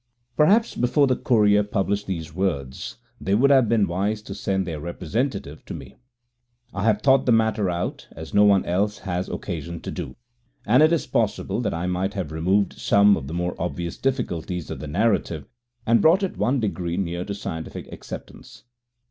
< 17 > Perhaps before the Courier published these words they would have been wise to send their representative to me. I have thought the matter out, as no one else has occasion to do, and it is possible that I might have removed some of the more obvious difficulties of the narrative and brought it one degree nearer to scientific acceptance.